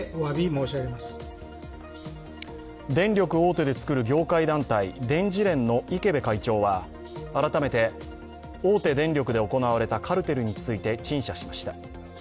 電力大手でつくる業界団体電事連の池辺会長は改めて大手電力で行われたカルテルについて陳謝しました。